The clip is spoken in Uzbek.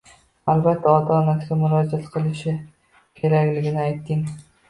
albatta, ota-onasiga murojaat qilishi kerakligini ayting.